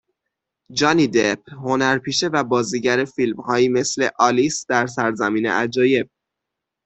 جانی دپ هنرپیشه و بازیگر فیلم هایی مثل آلیس در سرزمین عجایب